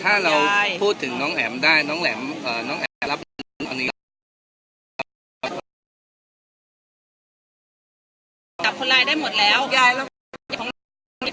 ถ้าเราพูดถึงน้องแอมได้น้องแหลมเอ่อน้องแอมรับน้องอันนี้